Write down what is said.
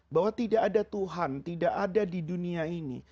bahwa tidak ada tuhan tidak ada di dunia ini